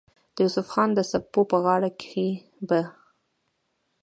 د يوسف خان د سپو پۀ غاړه کښې به